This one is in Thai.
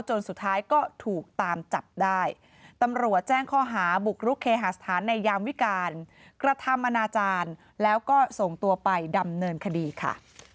สุดท้ายก็ถูกตามจับได้ตำรวจแจ้งข้อหาบุกรุกเคหาสถานในยามวิการกระทำอนาจารย์แล้วก็ส่งตัวไปดำเนินคดีค่ะ